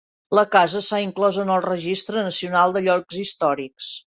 La casa s'ha inclòs en el Registre nacional de llocs històrics.